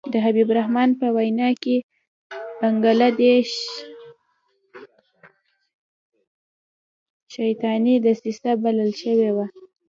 د حبیب الرحمن په وینا کې بنګله دېش شیطاني دسیسه بلل شوې وه.